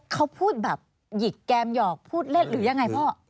เขาพูดแบบหยิกแกมหยอกพูดเล่นหรือยังไงพ่อ